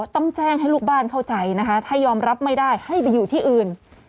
ต้องแจ้งให้ลูกบ้านเข้าใจนะคะถ้ายอมรับไม่ได้ให้ไปอยู่ที่อื่น